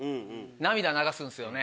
涙流すんすよね。